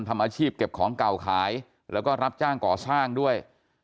ทำอาชีพเก็บของเก่าขายแล้วก็รับจ้างก่อสร้างด้วย